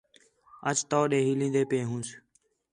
اَچ توݙے ہیلین٘دے پئے ہونس